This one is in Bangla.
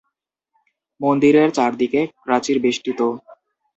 মন্দিরের চারদিকে প্রাচীর বেষ্টিত।